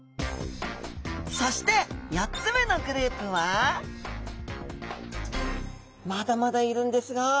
そして４つ目のグループはまだまだいるんですが。